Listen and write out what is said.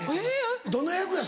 どの役や？